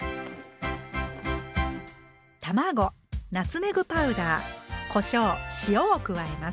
卵ナツメグパウダーこしょう塩を加えます。